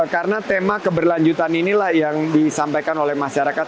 karena tema keberlanjutan inilah yang disampaikan oleh masyarakat